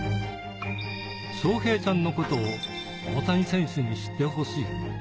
翔平ちゃんのことを大谷選手に知ってほしい。